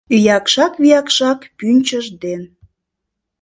Виякшак-виякшак пӱнчыж ден